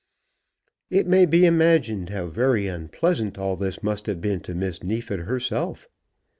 It may be imagined how very unpleasant all this must have been to Miss Neefit herself.